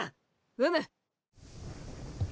うむ！